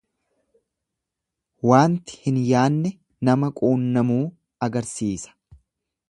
Waanti hin yaanne nama quunnamuu agarsiisa.